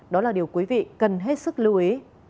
đó là điều quý vị cần hết sức lưu ý